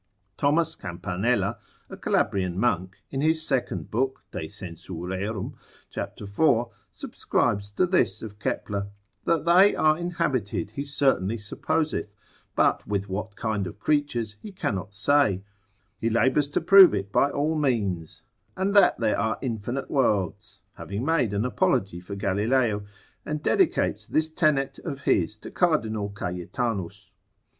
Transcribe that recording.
Thomas Campanella, a Calabrian monk, in his second book de sensu rerum, cap. 4, subscribes to this of Kepler; that they are inhabited he certainly supposeth, but with what kind of creatures he cannot say, he labours to prove it by all means: and that there are infinite worlds, having made an apology for Galileo, and dedicates this tenet of his to Cardinal Cajetanus.